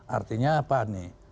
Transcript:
artinya apa nih